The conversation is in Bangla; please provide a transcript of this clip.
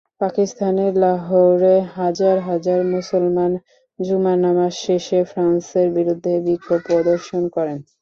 পাকিস্তানের লাহোরে হাজার হাজার মুসলমান জুমার নামাজ শেষে ফ্রান্সের বিরুদ্ধে বিক্ষোভ প্রদর্শন করেন।